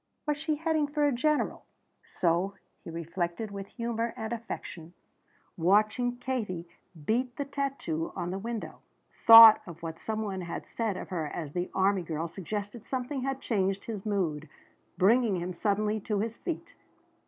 Was she heading for a general? So he reflected with humor and affection, watching Katie beat the tattoo on the window. Thought of what some one had said of her as the army girl suggested something that changed his mood, bringing him suddenly to his feet.